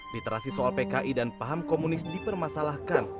literasi soal pki dan paham komunis dipermasalahkan